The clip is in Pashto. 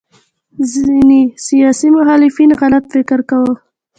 ځینې سیاسي مخالفینو غلط فکر کاوه